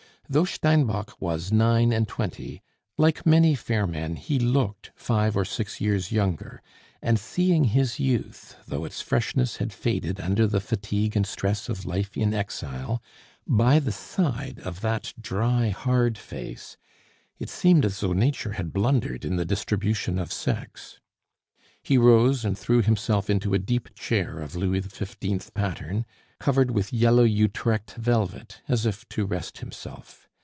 Though Steinbock was nine and twenty, like many fair men, he looked five or six years younger; and seeing his youth, though its freshness had faded under the fatigue and stress of life in exile, by the side of that dry, hard face, it seemed as though Nature had blundered in the distribution of sex. He rose and threw himself into a deep chair of Louis XV. pattern, covered with yellow Utrecht velvet, as if to rest himself.